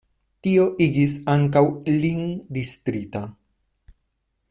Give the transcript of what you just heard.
Tio igis ankaŭ lin distrita.